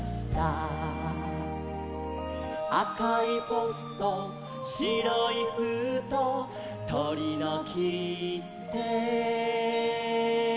「赤いポスト白いふうとう」「とりのきって」